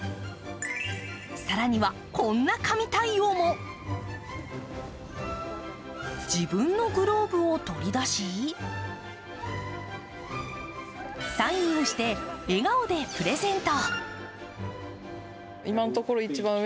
更には、こんな神対応も自分のグローブを取り出しサインをして笑顔でプレゼント。